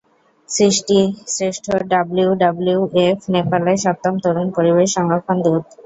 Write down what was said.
সৃষ্টি শ্রেষ্ঠ ডাব্লিউডাব্লিউএফ নেপালের সপ্তম তরুণ পরিবেশ সংরক্ষণ দূত।